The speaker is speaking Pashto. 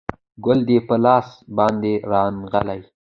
ګل دې په لاس باندې رانغلی